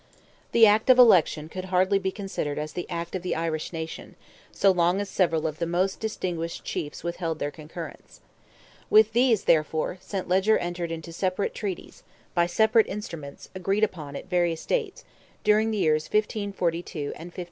The Act of Election could hardly be considered as the Act of the Irish nation, so long as several of the most distinguished chiefs withheld their concurrence. With these, therefore, Saint Leger entered into separate treaties, by separate instruments, agreed upon, at various dates, during the years 1542 and 1543.